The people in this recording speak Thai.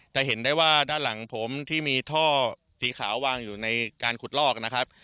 จะเห็นได้ว่าด้านหลังผมที่มีท่อสีขาววางอยู่ในการขุดลอกนะครับ